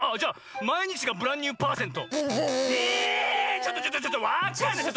ちょっとちょっとちょっとわかんないちょっと！